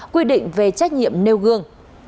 quy định về trách nhiệm nêu gương